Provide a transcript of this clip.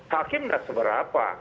hakim sudah seberapa